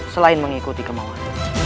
selain mengikuti kemauan